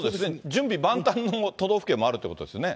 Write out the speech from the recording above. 準備万端の都道府県もあるということですよね。